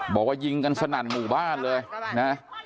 บอกว่ายิงกันสนั่นหมู่บ้านเลยนะ